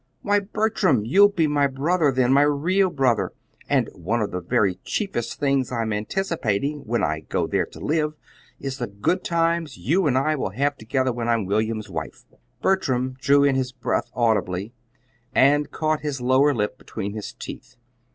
"Why, Bertram, you'll be my brother then my real brother; and one of the very chiefest things I'm anticipating when I go there to live is the good times you and I will have together when I'm William's wife!" Bertram drew in his breath audibly, and caught his lower lip between his teeth.